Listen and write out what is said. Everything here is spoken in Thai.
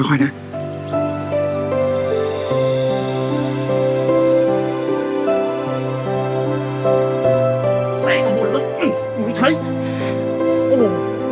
ค่อยเผ็ดค่อยกนะ